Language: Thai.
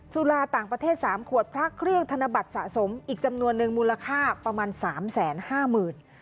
สุราต่างประเทศสามขวดพระเครื่องธนบัตรสะสมอีกจำนวนหนึ่งมูลค่าประมาณสามแสนห้าหมื่น